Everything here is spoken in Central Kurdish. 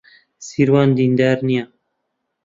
سیروان دیندار نییە.